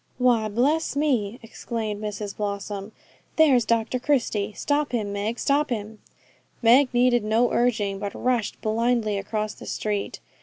'Why, bless me!' exclaimed Mrs Blossom, 'there's Dr Christie. Stop him, Meg, stop him!' Meg needed no urging, but rushed blindly across the street.